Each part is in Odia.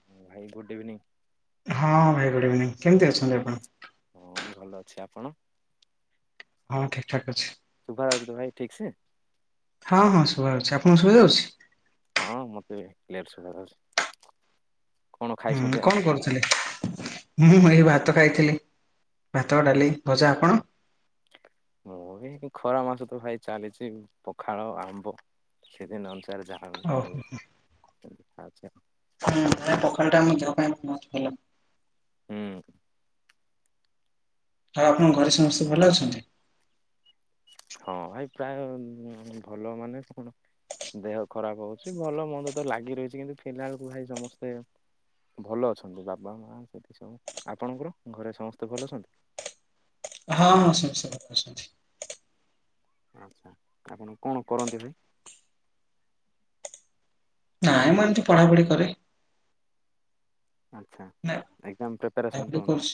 ଭାଇ ଗୁଡ୍ ଇଭିନିଂ। ହଁ ଭାଇ ଗୁଡ଼୍ ଇଭିନିଂ କେମିତି ଅଛନ୍ତି ଆପଣ? ହଁ ଭଲ ଅଛି ଆପଣ? ହଁ ଠିକ୍ ଠାକ ଅଛି। ଶୁଭା ଯାଉଛି ତ ଭାଇ ଠିକ୍ ସେ। ହଁ ହଁ ଶୁଭା ଯାଉଛି ଆପଣଙ୍କୁ ଶୁଭାଯାଉଛି? ହଁ ମତେ କ୍ଳିଅର ଶୁଭଯାଉଛି। ହୁଁ କଣ କରୁ? ମୁଁ ଏଇ ଭାତ ଖାଇଥିଲି ଭାତ ଡାଲି ଭଜା। ଆପଣ? ମୁଁ ବି ଖରା ମାସ ତ ଭାଇ ଚାଲିଛି ପଖାଳ ଆମ୍ବ ସିଜିନି ଅନୁସାରେ ଯା ଆଉଚି ଓହୋ ପ୍ରଣାଳି ଆଉଚି ଆଉ। ହଁ ପଖାଳ ଟା ଆମ ଦେହ ପାଇଁ ବହୁତ ଭଲ। ହୁଁ। ଆଉ ଆପଣଙ୍କ ଘରେ ସମସ୍ତେ ଭଲ ଅଛନ୍ତି? ହଁ ଭାଇ ପ୍ରାୟ ଭଲ ମାନେ କଣ? ଦେହ ଖରାପ ହଉଛି ଭଲ ମନ୍ଦ ତ ଲାଗି ରହିଛି କିନ୍ତୁ ଫିଲାଲ ଭାଇ ସମସ୍ତେ ଭଲ ଅଛନ୍ତି ବାବା ମା ସେଠି ସବୁ ଆପଣଙ୍କର ଘରେ ସମସ୍ତେ ଭଲ ଅଛନ୍ତି? ହଁ ହଁ ସମସ୍ତେ ଭଲ ଅଛନ୍ତି। ଆଚ୍ଛା ଆପଣ କଣ କରନ୍ତି ଏବେ? ନାଇଁ ମୁଁ ଏମିତି ପଢାପଢି କରେ। ଆଚ୍ଛା ନା ଏକ୍ଜାମ ପ୍ରିପାରେସନ୍ ପଢାପଢି କରନ୍ତି? କରୁଛି।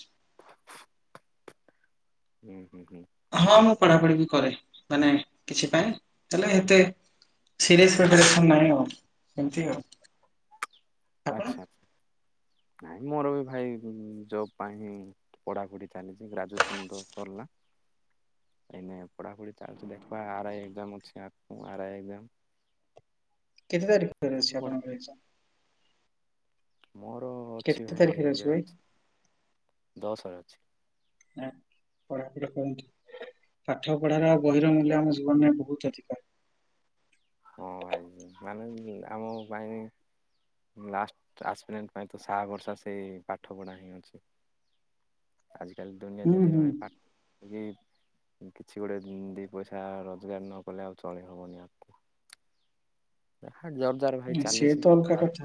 ହୁଁ ହୁଁ ହୁଁ। ହଁ ମୁଁ ପଢ଼ାପଢ଼ି ବି କରେ ମାନେ କିଛି ପାଇଁ ହେଲେ ଏତେ ସିରିଏସ ପ୍ରିପାରେସନ ନାହିଁ ଆଉ ଏମତି ଆଉ। ଆପଣ ଆଚ୍ଛା ଆଛା ନାଇଁ ମୋର ବି ଭାଇ ଜବ ପାଇଁ ପଢାପଢି ଚାଲିଛି ଗ୍ରାଜୁଏସନ ତ ସରିଲା। ଏଇ ନାଇଁ ପଢାପଢି ଚାଲିଛି ଦେଖିବା ଆର ଆଇ ଏକଜାମ ଅଛି ଆରଇ ଏକଜାମ। କେତେ ତାରିଖ ରେ ଅଛି ପଢା ଆପଣଙ୍କର ଏକଦାମ୍? ମୋର ଅଛି କେତେ ଭାଇ ତାରିଖରେ ଏବେ ଅଛି ଭାଇ? ଦଶରେ ଅଛି। ପାଠ ହଁ ପଢାର ଆଉ ବହିର ମୂଲ୍ୟ ଆମ ଜୀବନରେ ବହୁତ ଅଧିକା। ହଁ ଭାଇ ମାନେ ଆମ ପାଇଁ ଲାଷ୍ଟ ଆସପଡଣ୍ଟ ପାଇଁ ତ ସ ବର୍ଷା ସେଇ ପାଠପଢ଼ା ହିଁ ଅଛି। ଆଜିକାଲି ଦୁନିଆ ହୁଁ ଜେମତି ହୁଁ ରହେ ପା ଏ ବି କିଛି ଗୋଟେ ଦି ପଇସା ରୋଜଗାର ନ କଲେ ଆଉ ଚଳି ହବନି ଆ ଯା ହା ଜୋର ଜର ଭାଇ ସିଏ ତ ଚାଲିଛି। ଅଲଗା କଥା।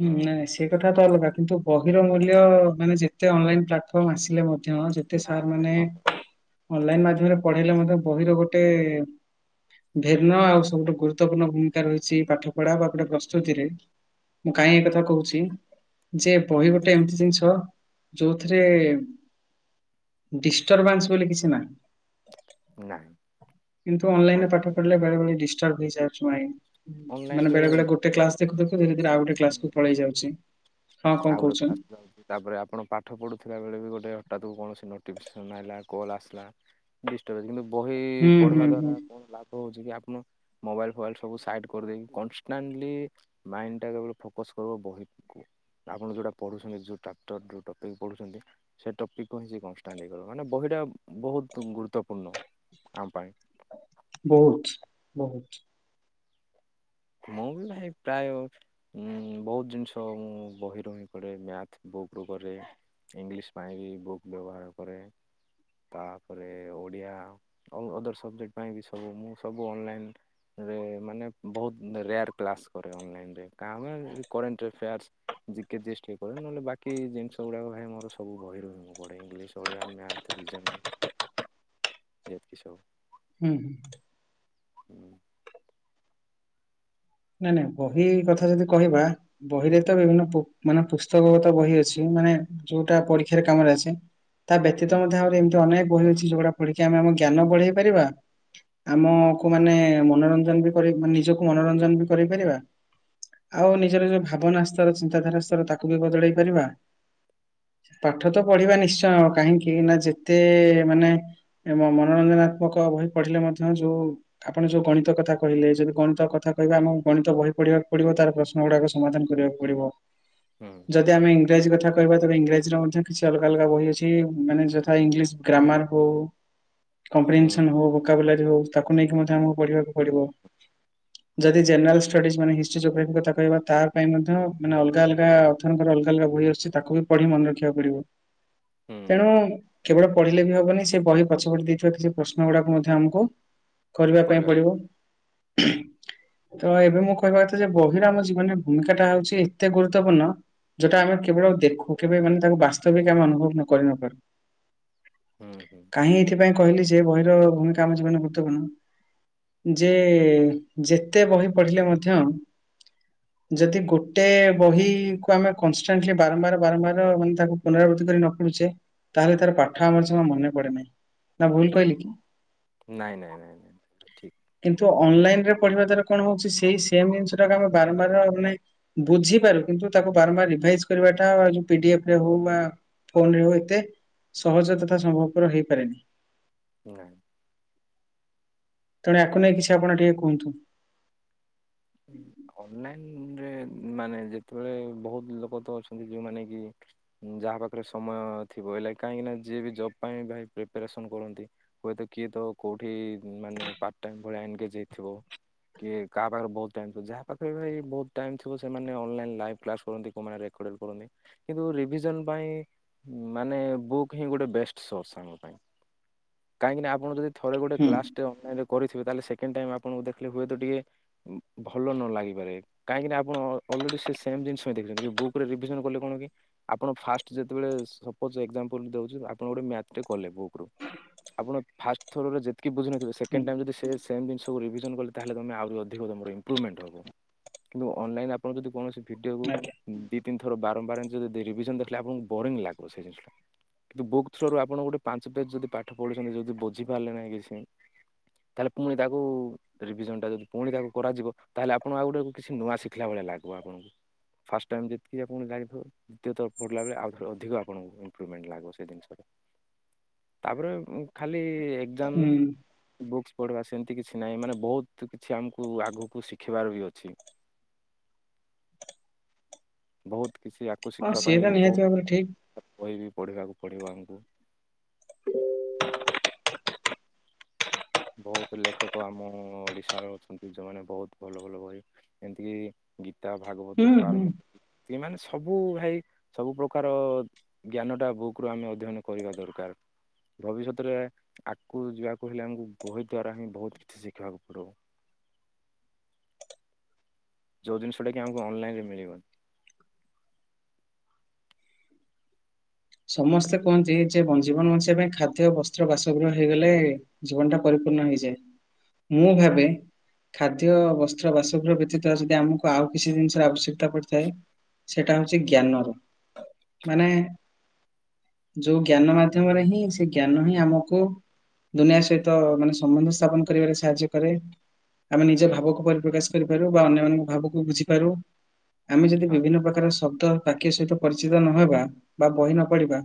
ହୁଁ ନାଇଁ ନାଇଁ ସେଇ କଥା ତ ଅଲଗା କିନ୍ତୁ ବହିର ମୂଲ୍ୟ ମାନେ ଯେତେ ଅନଲାଇନ ପ୍ଲାଟଫର୍ମ ଆସିଲେ ମ ଧ୍ୟ ଯେତେ ସାର୍ ନାଇଁ ମାନେ। ହଁ ଅନଲାଇନ ମାଧ୍ୟମରେ ପଢେଇଲେ ମଧ୍ୟ ବହିର ଗୋଟେ ଭିନ୍ନ ଆଉ ସବୁଠୁ ଗୁରୁ ଗୁରୁତ୍ୱପୂର୍ଣ୍ଣ ଭୂମିକା ରହିଛି ପାଠ ପଢା ବା ଗୋଟେ ପ୍ରସ୍ତୁତିରେ। ମୁଁ କାଇଁ ଏ କଥା କହୁଛି। ଯେ ବହି ଗୋଟେ ଏମିତି ଜିନିଷ ଯୋଉଥିରେ। ଡିଷ୍ଟର୍ବାନ୍ସ ବୋଲି କିଛି ନାହିଁ। ନାହିଁ। କିନ୍ତୁ ଅନଲାଇନ ରେ ପାଠ ପଢିଲେ ବେଳେ ବଳେ ଡିଷ୍ଟର୍ବ ହେଇ ଯାଉଛି ମାଇଣ୍ଡ ମାନେ ଅନଲାଇନରେ ବେଳେ ବେଳେ ଗୋ ଗୋଟେ କ୍ଲାସ ଦେଖୁ ଦେଖୁ ଧୀରେ ଧୀରେ ଆଉ ଗୋଟେ କ୍ଲାସକୁ ପଳେଇ ଯାଉଛି। ହଁ କଣ ଆଉ ଗୋଡେ କହୁଛନ୍ତି? ଫାଷ୍ଟ ଜାଉଛି। ତାପରେ ଆପଣ ପାଠ ପଢୁଥିଲା ବେଳେ ବି ଗୋଟେ ହଠାତ୍ କୁ କୌଣସି ନୋଟିଫିକେସନ୍ ଆଲା କଲ୍ ଆସିଲା। ଡିଷ୍ଟର୍ବ କିନ୍ତୁ ବହି ହୁଁ ପଢିବା ହୁଁ ହୁଁ ଦ୍ଵାରା କଣ ଲାଭ ହଉଛି କି ଆପଣ। ମୋବାଇଲ ଫୋବାଇଲ ସବୁ ସାଇଟ୍ କରିଦେଇକି କନଷ୍ଟାଣ୍ଟଲି। ମାଇଣ୍ଡ ଟା କେବଳ ଫୋକସ କରିବ ବହିକୁ। ଆପଣ ଯୋଉଟା ପଢୁଛନ୍ତି ଯୋଉ ଚାପ୍ଟର ଯୋଉ ଟପିକ୍ ପଢୁଛନ୍ତି। ସେ ଟପିକ୍ କୁ ହିଁ ସେ କଷ୍ଟାଣ୍ଡ ଇଏ କରିବ ମାନେ ବହିଟା ବହୁତ ଗୁରୁତ୍ୱପୂର୍ଣ୍ଣ ଆମ ପାଇଁ। ବହୁତ ବହୁତ। ମୁଁ ବି ଭାଇ ପ୍ରାୟ। ଉଁ ବହୁତ ଜିନିଷ ମୁଁ ବହିରୁ ହିଁ କରେ ମ୍ୟାଥ୍ ବୁକ ରୁ କରେ। ଇଂଲିଶ ପାଇଁ ବି ବୁକ୍ ବ୍ୟବହାର କରେ। ତାପରେ ଓଡ଼ିଆ ଅ ଅଦର ସବଜେକ୍ଟ ପାଇଁ ବି ସବୁ ମୁଁ ସବୁ ଅନଲାଇନ୍। ରେ ମାନେ ବହୁତ ରେୟାର କ୍ଲାସ କରେ ଅନଲାଇନରେ କାଇଁ ନା ଏଇ କରେଣ୍ଟ ଏଫେୟାର୍ସ। ଜ କେ ଜିଷ୍ଟ ଟିକେ କହିବେ ନହେଲେ ବାକି ଜିନିଷ ଗୁଡା ଭାଇ ମୋର ସବୁ ବହି ରୁ ହିଁ। ମୁ ପଢ଼େ ଇଂଲି୍ସ ଓଡିଆ ମ୍ୟାଥ୍ ରିଜୋନିଂ। ଯେତିକି ସବୁ। ହୁଁ ହୁଁ। ହୁଁ। ନାଇଁ ନାଇଁ ବହି କଥା ଯଦି କହିବା। ବହିରେ ତ ବିଭିନ୍ନ ପୁ ମାନେ ପୁସ୍ତକ ଗତ ବହି ଅଛି ମାନେ। ଯୋଉଟା ପରୀକ୍ଷାର କାମରେ ଆସେ ତା ହୁଁ ବ୍ୟତୀତ ମଧ୍ୟ ଆଉରି ଏମତି। ଅନେକ ବହି ଅଛି ଯୋଉଗୁଡା ପଢିକି ଆମେ ଆମ ଜ୍ଞାନ ବଢେଇ ପାରିବା। ଆମକୁ ମାନେ ମନୋରଞ୍ଜନ ବି କରେଇ ମାନେ ନିଜକୁ ମନୋରଞ୍ଜନ ବି କରେଇ ପାରିବା। ଆଉ ନିଜର ଯୋଉ ଭାବନା ସ୍ଥର ଚିନ୍ତାଧାରା ସ୍ଥର ତାକୁ ବି ବଦଳେଇ ପାରିବା। ପାଠ ତ ପଢିବା ନିଶ୍ଚୟ କାହିଁକି ନା ଯେତେ ମାନେ। ଏବଂ ମନୋରଞ୍ଜନାତ୍ମକ ବହି ପଢ଼ିଲେ ମଧ୍ୟ ଯୋଉ। ଆପଣ ଯୋଉ ଗଣିତ କଥା କହିଲେ ଯଦି ଗଣିତ କଥା କହିବାେ ଆମ। ଗଣିତ ବହି ପଢିବାକୁ ପଡିବ ତାର ପ୍ରଶ୍ନ ଗୁଡାକ ସମାଧାନ କରିବାକୁ ପଡିବ। ହୁଁ। ଯଦି ଆମେ ଇଂରାଜୀ କଥା କହିବା ତେବେ ଇଂରାଜୀର ମଧ୍ୟ କିଛି ଅଲଗା ଅଲଗା ବହି ଅଛି ମାନେ ଯଥା ଇଂଲିଶ୍ ଗ୍ରାମାର ହଉ। କପିଟିନ୍ସନ୍ ହଉ ମୁକାବିଲାରୀ ହଉ ତାକୁ ନେଇକି ମଧ୍ୟ ଆମକୁ ପଢିବାକୁ ପଡିବ ଯଦି ଜେନେରାଲ୍ ଷ୍ଟଡିଜ ମାନେ ହିଷ୍ଟ୍ରି ଜୋଗ୍ରାି କହିବା ତା ପାଇଁ ମଧ୍ୟ ମାନେ ଅଲଗା ଅଲଗା ଅଥରଙ୍କର ଅଲଗା ଅଲଗା ବହି ଆସଛି ତାକୁ ବି ପଢି ମନେ ରଖିବା ପଡ଼ିବ ତେଣୁ ହୁଁ କେବଳ ପଢ଼ିଲେ ବି ହବନି ସେ ବହି ପଛ ପଟି ଦେଇଥିବା କିଛି ପ୍ରଶ୍ନ ଗୁଡା ମଧ୍ୟ ଆମକୁ କରିବା ପାଇଁ ପଡିବ ହୁ ତ ଏବେ ମୁଁ କହିବା କଥା ଯେ ବହିର ଆମ ଜୀବନରେ ଭୂମିକା ଟା ହଉଛି ଏତେ ଗୁରୁତ୍ୱପୂର୍ଣ୍ଣ ଯଉଟା ଆମେ କେବଳ ଦେଖୁ କେବେ ମାନେ ତାକୁ ବାସ୍ତବିକ ଆମେ ଅନୁଭବ କରି ନପାରୁ ହୁଁ ହୁଁ। କାହିଁ ଏଥିପାଇ କହିଲି ଯେ ବହିର ଭୂମିକା ଆମ ଜିବନ ଗୁରୁତ୍ୱପୂର୍ଣ୍ଣ ଯେ ଯେତେ ବହି ପଢିଲେ ମଧ୍ୟ ଯଦି ଗୋଟେ ବହିକୁ ଆମେ କଷ୍ଟାଣ୍ଟଲି ବାରମ୍ବାର ବାରମ୍ବାର ମାନେ ତାକୁ ପୁନରାବୃତ୍ତି କରି ନ ପଡୁଛେ ତାହେଲେ ତାର ପାଠ ଆମର ଜମା ମନେ ପଡେ ନାହିଁ ନା ଭୁଲ କହିଲି କି ନାଇଁ ନାଇଁ ନାଇଁ ନାଇଁ ଠିକ୍ କିନ୍ତୁ ଅନଲାଇନ ରେ ପଢିବା ଦ୍ଵାରା କଣ ହଉଛି ସେଇ ସେମ ଜିନିଷ ଟାକୁ ଆମେ ବାରମ୍ବାର ମାନେ ବୁଝିପାରୁ କିନ୍ତୁ ତାକୁ ବାରମ୍ବାର ରିଭାଇଜ କରିବାଟା ପିଡି ଅଫ ରେ ହଉ ବା ଫୋନ ରେ ଆଉ ଏତେ ସହଜ ତଥା ସମ୍ଭବପର ହେଇପାରେନି। ନାଁ ତେଣୁ ୟାକୁ ନେଇଁ କିଛିଆପଣ ଟିକେ କୁହନ୍ତୁ ଅନଲାଇନ ରେ ମାନେ ଯେତେବେଳେ ବହୁତ ଲୋକ ତ ଅଛନ୍ତି ଯୋଉମାନେ କି ଯାହା ପାଖରେ ସମୟ ଥିବ ହେ ଲ କାହିଁକିନା ଯିଏ ବି ଜବ୍ ପାଇଁ ଭାଇ ପ୍ରିପାରେସନ୍ କରନ୍ତି ହୁଏତ କିଏ ତ କୋଉଠି ମାନେ ପାର୍ଟଟାଇମି ଭଳିଆ ଏନେଙ୍ଗେଜ ହେଇଥିବ। କିଏ କାହା ପାଖରେ ବହୁତ ଯାହା ପାଖରେ ବି ବୋହୁତ ଟାଇମି ଥିବ ସେମାନେ ଅନ୍ଲାଇନ୍ ଲାଇଫ କ୍ଲାସ୍ କରନ୍ତି କୋଉମାନେ ରେକଡ୍ ବି କରନ୍ତି କିନ୍ତୁ ରିଭିଜନ ପାଇଁ ମାନେ ବୁକ୍ ହିଁ ଗୋଟେ ବେଷ୍ଟ ସୋର୍ସ ଆମ ପାଇଁ। କାହିଁକିନା ଆପଣ ଯଦି ଥରେ ଗୋଟେ ହୁଁ କ୍ଲାସ ଟେ ଅନଲାଇନରେ କରିଥିବେ ତାେଲେ ସେକେଣ୍ଡ ଟାଇମ୍ ଆପଣଙ୍କୁ ଦେଖିଲେ ହୁଏତ ଟିକେ ଉଁ, ଭଲ ନ ଲାଗିପାରେ କାହିଁକିନା ଆପଣ ଅ ଅଲରେଡି ସେ ସେମେ ଜିନିଷ ହିଁ ଦେଖିଛନ୍ତି କିନ୍ତୁ ବୁକୁରେ ରିଭିଜନ କଲେ କଣ କି ଆପଣ ଫାଷ୍ଟ ଯେତେବେଳେ ସପୋଜ ଏକ୍ଜାମପଲେ ଦଉଚି ଆପଣ ଗୋଟେ ମ୍ୟାଥ ଟେ କଲେ ବୁକ୍ ରୁ ଆପଣ ଫାଷ୍ଟ ଥରରେ ଯେ କି ବୁଝିନଥିବ ହୁଁ ସେକେଣ୍ଡ ଟାଇମ ଯଦି ସେ ସେମ୍ ଜିନିଷକୁ ରିଭିନ କଲେ ତାହେଲେ ତମେ ଆହୁରି ଅଧିକ ତମର ଇପ୍ରଭେଣ୍ଟ ହବ କିନ୍ତୁ ଅନଲାଇନ ଆପଣ ଯଦି କୌଣସି ଭିଡିଓକୁ ଆଜ୍ଞା ଦି ତିନି ଥର ବାରମ୍ବାର ଆମେ ଯଦି ଦେ ରିଭିଜନ ଦେଖିଲେ ଆପଣଙ୍କୁ ବରିଙ୍ଗ ଲାଗିବ ସେଇ ଜିନିଷଟା କିନ୍ତୁ ବୁକ୍ ଥ୍ରୋ ରୁ ଆପଣ ଗୋଟେ ପାଞ୍ଚ ପେଜ ଯଦି ପାଠ ପଢିଛନ୍ତି ଯଦି ବୁଝିପାରିଲେ ନାହିଁ କିଛି ତାହେଲେ ପୁଣି ତାକୁ ରିଭିଜନ ଟା ଯଦି ପୁଣି ତାକୁ କରାଯିବ ତାହେଲେ ଆପଣଙ୍କୁ ଆଉ ଗୋଟେ କିଛି ନୂଆ ଶିଖିଲା ଭଳିଆ ଲାଗିବ ଆପଣଙ୍କୁ ଫାଷ୍ଟ ଟାଇମ ଯେତିକି ଆପଣ ଜାଇଥିବ ଦ୍ୱିତୀୟଥର ପଢ଼ିଲା ବେଳେ ଆଉଥରେ ଅଧିକ ଆପଣଙ୍କୁ ଇମ୍ପ୍ରଭମେଣ୍ଟ ଲାଗିଵ ସେ ଜିନିସ ରେ ତାପରେ ଉ - ଖାଲି ଦେନ୍ ହୁଁ ବୁକ୍ସ ପଢିବା ସେମିତି କିଛି ନାହିଁ ମାନେ ବହୁତ କିଛି ଆମକୁ ଆଗକୁ କୁ ଶିଖିବାର ବି ଅଛି ବହୁତ କିଛିୟକୁ ହଁ ଶିଖିବା ସିଏ ତ ପାଇଁ ନିହାତି ଭାବରେ ଠିକ ବହୁତ କହିବି ପଢ଼ିବାକୁ ପଡ଼ିବ ଆମକୁ। ବହୁତ ଲେଖକ ଆମ ଓଡ଼ିଶାର ଅଛନ୍ତି ଯୋଉମାନେ ବହୁତ ଭଲ ଭଲ ବହି ଏମତିକି ଗୀତା ହୁଁ ଭାଗବତ ହୁଁ ଠୁଆର ମତେ ଏ ମାନେ ସବୁ ଭାଇ ସବୁ ପ୍ରକାର ଜ୍ଞାନଟା ବୁକ୍ରୁ ଆମେ ଅଧ୍ୟୟନ କରିବା ଦରକାର। ଭବିଷ୍ୟତରେ ଆଗକୁ ଯିବାକୁ ହେଲେ ଆମକୁ ବହି ଦ୍ଵାରା ହିଁ ବହୁତ କିଛି ଶିଖିବାକୁ ପଡଉ। ଯେଉଁ ଜିନିଶ ଟା କି ଆମକୁ ଅନାଇନରେ ମିଳିବନି। ସମସ୍ତେ କୁହନ୍ତି ଯେ ଜୀବନ ବଞ୍ଚିବା ପାଇଁ ଖାଦ୍ୟ ବସ୍ତ୍ର ବାସଗୃହ ହେଇଗଲେ ଜୀବନଟା ପରିପୂର୍ଣ୍ଣ ହେଇଯାଏ ମୁଁ ଭାବେ ଖାଦ୍ୟ ବସ୍ତ୍ର ବାସଗୃହ ବ୍ୟତୀତ ଯଦି ଆମକୁ ଆଉ କିଛି ଜିନିଷର ଆବଶ୍ୟକତା ପଡ଼ିଥାଏ ସେଟା ହଉଛି ଜ୍ଞାନ ର ମାନେ ଯୋଉ ଜ୍ଞାନ ମାଧ୍ୟମରେ ହିଁ ସେ ଜ୍ଞାନ ହିଁ ଆମକୁ ଦୁନିଆ ସହିତ ମାନେ ସମ୍ବନ୍ଧ ସ୍ଥାପନ କରିବାରେ ସାହାଯ୍ୟ କରେ ଆମେ ନିଜ ଭାବକୁ ପରିପ୍ରକାଶ କରିପାରୁ ବା ଅନ୍ୟମାନଙ୍କ ଭାବକୁ ବୁଝିପାରୁ ଆମେ ଯଦି ହଁ ବିଭିନ୍ନ ପ୍ରକାର ଶବ୍ଦ ବାକ୍ୟ ସହିତ ପରିଚିତ ନହବା ବା ବହି ନପଡିବା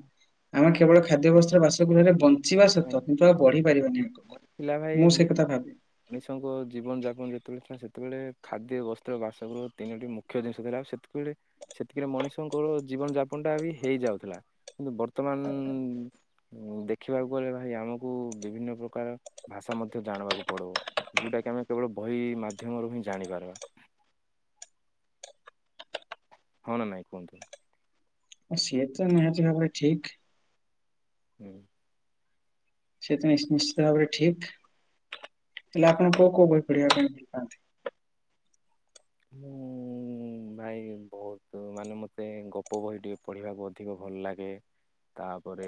ଆମେ କେବଳ ଖାଦ୍ୟବସ୍ଥାର ବାସଗୃହରେ ବଞ୍ଚିବା ସତ କିନ୍ତୁ ଆଉ ବଢି ପାରିବାନି ଆମେ ମୋର ଥିଲା ଭାଇ ମ ମଣିଷଙ୍କ ଜୀବନଯାପନ ଯେତେବେଳେ ଥିଲା ସେତେବେଳେ ଖାଦ୍ୟ ବସ୍ତ୍ର ବାସଗୃହ ତିନୋଟି ମୁ ମୁଖ୍ୟ ଜିନିଷ ଥିଲା ଆଉ ସେତିକିବେଳେ ସେତିକିରେ ମଣିଷଙ୍କର ଜୀବନ ଯାପନଟା ବି ହେଇଯାଉଥିଲା। କିନ୍ତୁ ବର୍ତ୍ତମାନ ଦେଖିବାକୁ ଗଲେ ଭାଇ ଆମକୁ ବିଭିନ୍ନ ପ୍ରକାର ପ୍ରକାର ଭାଷା ମଧ୍ୟ ଜାଣିବାକୁ ପଡିବ ଯଉଟାକି ଆମେ କେବଳ ବହି ମାଧ୍ୟମରୁ ହିଁ ଜାଣିପାରିବା? ହଁ ନା ନାଇଁ କୁହନ୍ତୁ? ଆଉ ସିଏ ତ ନିହାତି ଭାବରେ ଠିକ। ହୁଁ। ସେଥି ନିଶ୍ଚିତ ଭାବରେ ଠିକ ହେଲେ ଆପଣ କୋଉ କୋଉ ବହି ପଢିବା ପାଇଁ ଭଲ ପାଆନ୍ତି। ହୁଁ। ଭାଇ ବହୁତ ମାନେ ମୋତେ ଗପ ବହି ଟିକଏ ପଢ଼ିବାକୁ ଅଧିକ ଭଲ ଲାଗେ। ତାପରେ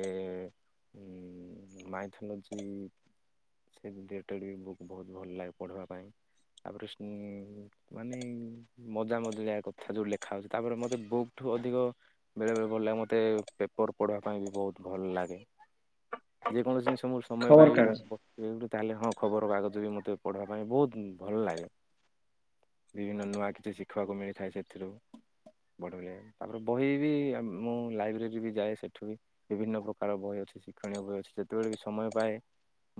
ଉଁ ମାଇଥନୋଜି ସେ ଟେଡ଼୍ ବି ବୁକ୍ ବହୁତ ଭଲ ଲାଗେ ପଢ଼ିବା ପାଇଁ ତାପରେ ମାନେ ମଜା ମଜାଳିଆକଥା ଯୋଉ ଲେଖା ହେଉଛି ତାପରେ ମୋତେ ବୁକଠୁ ଅଧିକ ବେଳେବେେଳେ ଭଲ ଲାଗେ ମୋତେ ପେପର୍ ପଢ଼ିବା ପାଇଁ ବି ବହୁତ ଭଲ ଲାଗେ? ଯେକୌଣ ଜିନିଷ ମୁ ସମୟ ଖବର ପାଇ କାଗଜ। ବିି ତାହେଲେ ହଁ ଖବରକାଗଜ ବି ମୋତେ ପଢ଼ିବା ପାଇଁ ବହୁତ ଭଲ ଲାଗେ ବିଭିନ୍ନ ନୂଆ କିଛି ଶିଖିବାକୁ ମିଳିଥାଏ ସେଥିରୁ ବଢି ଭଳିଆ ତାପରେ ବହି ବି ମୁଁ ଲାଇବ୍ରେରୀରେ ବି ଯାଏ ସେଠୁ ବି ବିଭିନ୍ନ ପ୍ରକାର ବହି ଅଛି ଶିକ୍ଷଣୀୟ ବହି ଅଛି ଯେତେବେଳେ ବି ସମୟ ପାଏ।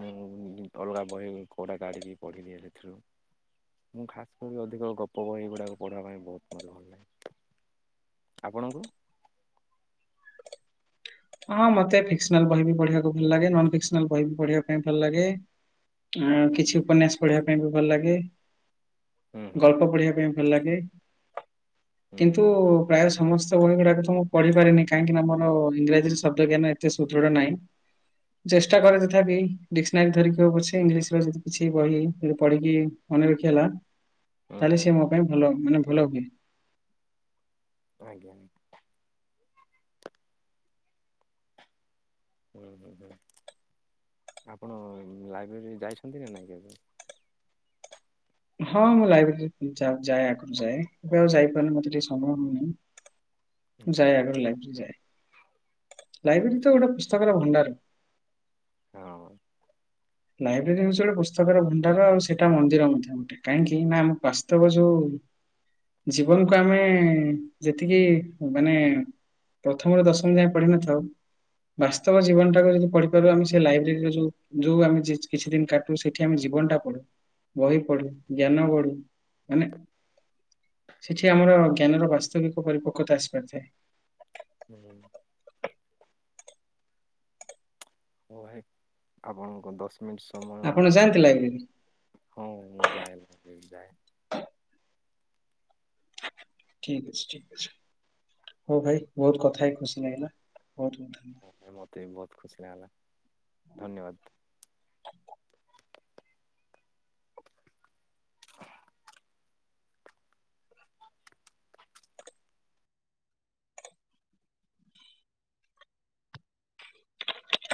ମୁଁ ଅଲଗା ବହି କଉଡ଼ା କାଢ଼ିକି ପଢ଼ିଲି ସେଥିରୁ ମୁଁ ଖାସ୍ ମୁଁ ବି ଅଧିକ ଗପ ବହିଗୁଡ଼ାକ ପଢ଼ିବା ପାଇଁ ବହୁତ ମତ ଭଲଲାଗେ ଆପଣଙ୍କୁ ହଁ ମତେ ଫିକସନାଲ ବହି ବି ପଢିବାକୁ ଭଲ ଲାଗେ ନନ ଫିକ୍ସନାଲ ବହି ବି ପଢିବା ପାଇଁ ଭଲ ଲାଗେ। ଆ କିଛି ଉପନ୍ୟାସ ପଢିବା ପାଇଁ ବି ଭଲ ଲାଗେ ହୁଁ ହୁଁ ଗଳ୍ପ ପଢିବା ପାଇଁ। ଭଲ ଲାଗେ ହୁଁ କିନ୍ତୁ ହୁଁ ପ୍ରାୟ ସମସ୍ତ ବହି ଗୁଡାକ ତ ମୁଁ ପଢି ପାରିନି କାହିଁକିନା ମୋର ଇଂରାଜୀରେ ଶବ୍ଦ ଜ୍ଞାନ ଏତେ ସୁଦୃଢ ନାହିଁ ଚେଷ୍ଟା ଆଚ୍ଛା କରେ ଡିସନାରୀ ଧରିକି ହଉ ପଛେ ଇଂଲିଶ ଯଦି କିଛି ବହି ଯି ପଢିକି ମନେ ରଖି ହେଲା। ହୁଁ ତାହେଲେ ସିଏ ମୋ ପାଇଁ ଭଲ ମାନେ ଭଲ ହୁଏ। ଆଜ୍ଞା। ହୁଁ ହୁଁ ହୁଁ ଆପଣ ଲାଇବ୍ରେରୀରେ ଯାଇଛନ୍ତି ନା ନାଇଁ କେବେ? ହଁ ମୁଁ ଲାଇବ୍ରେରୀ ଯାଏ ଆଗରୁ ଯାଏ ଏବେ ଆଉ ଯାଇପାରୁନି ମତେ ଟିକେ ସମୟ ହଉନିଁ। ମୁ ଆଚ୍ଛା ଯାଏ ଆଗରୁ ଲାଇବ୍ରେରୀ ଯାଏ ଲାଇବ୍ରେରୀ ଆଚ୍ଛା। ତ ଗୋଟେ ପୁସ୍ତକର ଭଣ୍ଡାର। ହଁ। ଲାଇବ୍ରେରୀ ହଉଛି ଗୋଟେ ପୁସ୍ତକର ଭଣ୍ଡାର ଆଉ ସେଇଟା ମନ୍ଦିର ମଧ୍ୟ ଗୋଟେ କାହିଁକି ନା ଆମ ବାସ୍ତବ ଯୋଉ ଜୀବନକୁ ଆମେ ଯେତିକି ମାନେ ପ୍ରଥମରୁ ଦଶମ ଯାଏଁ ପଢିନଥାଉ। ବାସ୍ତବ ଜୀବନଟାକୁ ଯଦି ପଢିପାରୁ ଆମେ ସେ ଲାଇବ୍ରେରୀରେ ଯୋଉ ଯୋଉ ଆମେ କିଛି କିଛି ଦିନ କାଟୁ ସେଠି ଆମ ଜୀବନଟା ପଡୁ ବହି ପଢୁ ଜ୍ଞାନ ବଢୁ ମାନେ ସେଠି ଆମର ଜ୍ଞାନର ବାସ୍ତବିକ ପରିପକ୍ୱତା ଆସିପାରିଥାଏ। ହୁଁ। ହୋଉ ଭାଇ ଆପଣଙ୍କୁ ଦୋସ ଟ ସମୟ ଆପଣ ଯାଆନ୍ତି ଲଇବ୍ରେରି? ହଁ ମୁଁ ଯାଏ ଲାଇବ୍ରେରି ଯାଏ। ଠିକ୍ ଅଛି ଠିକ୍ ଅଛି ହୋଉ ହଁ ଭାଇ ବୋହୁତ କଥା ହେଲି ଖୁସି ଲାଗିଲା ବୋହୁତ ବୋହୁତ ଧନ୍ୟବାଦ। କଥା ହେଇକି ମତେ ବି ବୋହୁତ ଖୁସି ଲାଗାଲା ଧନ୍ୟବାଦ।